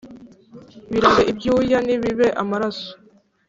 Birabe ibyuya ntibibe amaraso.